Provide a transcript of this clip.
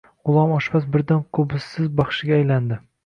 G‘ulom oshpaz birdan qo‘bizsiz baxshiga aylandi: